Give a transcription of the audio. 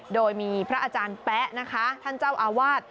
โดยมีพระอาจารย์แป๊ะนะคะท่านเจ้าอาวาส